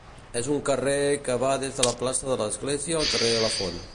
És un carrer que va des de la plaça de l'església al carrer La Font.